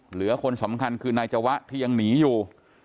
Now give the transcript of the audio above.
เหลือคนสำคัญคือนายจวะที่ยังหนีอยู่